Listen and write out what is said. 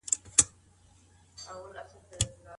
مېرمني ته دې ووايي چي ما او تا د ژوند ملګري يو.